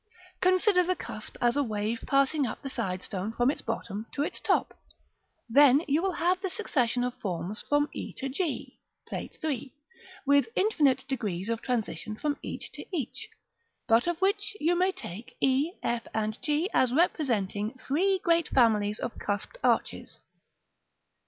Consider the cusp as a wave passing up the side stone from its bottom to its top; then you will have the succession of forms from e to g (Plate III.), with infinite degrees of transition from each to each; but of which you may take e, f, and g, as representing three great families of cusped arches.